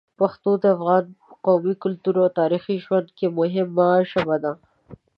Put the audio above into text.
پښتو د افغانانو په قومي، کلتوري او تاریخي ژوند کې مهمه ژبه ده.